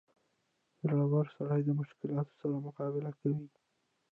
• زړور سړی د مشکلاتو سره مقابله کوي.